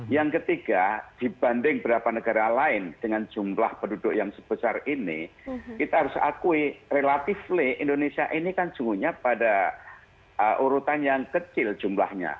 yang ketiga dibanding beberapa negara lain dengan jumlah penduduk yang sebesar ini kita harus akui relatif indonesia ini kan jungguhnya pada urutan yang kecil jumlahnya